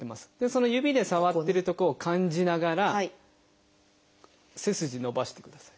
その指で触ってるとこを感じながら背筋伸ばしてください。